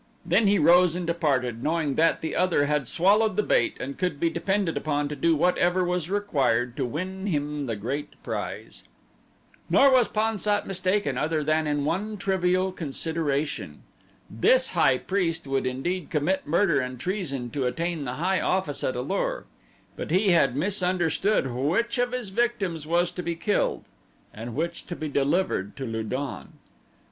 Then he rose and departed knowing that the other had swallowed the bait and could be depended upon to do whatever was required to win him the great prize. Nor was Pan sat mistaken other than in one trivial consideration. This high priest would indeed commit murder and treason to attain the high office at A lur; but he had misunderstood which of his victims was to be killed and which to be delivered to Lu don.